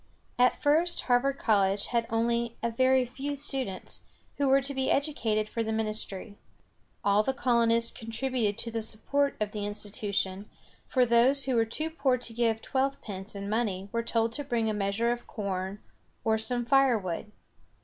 At first, Harvard College had only a very few students, who were to be educated for the ministry. All the colonists contributed to the support of the institution, for those who were too poor to give twelvepence in money were told to bring a measure of corn or some fire wood.